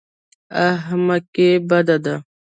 احمقي بد دی.